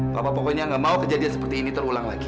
papa pokoknya gak mau kejadian seperti ini terulang lagi